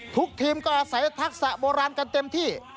ทุกทีมก็อาศัยทักษะโบราณกันเต็มที่